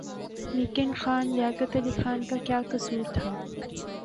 لیکن خان لیاقت علی خان کا کیا قصور تھا؟